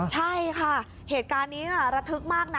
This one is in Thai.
ใช่ค่ะเหตุการณ์นี้ระทึกมากนะ